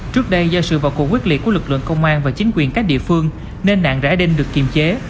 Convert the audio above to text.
trước đây do sự vậu cụ quyết liệt của lực lượng công an và chính quyền các địa phương nên nạn rải đinh được kiềm chế